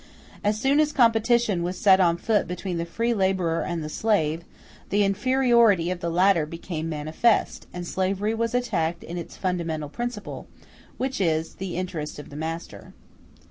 As soon as a competition was set on foot between the free laborer and the slave, the inferiority of the latter became manifest, and slavery was attacked in its fundamental principle, which is the interest of the master.